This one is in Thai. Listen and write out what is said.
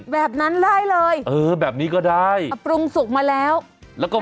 แบบนั้นได้เลยปรุงสุกมาแล้วนะค่ะ